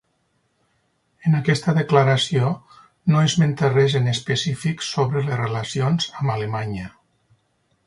En aquesta declaració no esmenta res en específic sobre les relacions amb Alemanya.